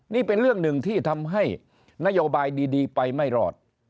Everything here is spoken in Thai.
นี่เป็นเรื่องหนึ่งที่ทำให้นโยบายดีไปไม่รอด